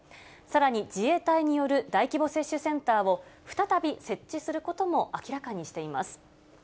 さらに自衛隊による大規模接種センターを再び設置することも明らかにしています。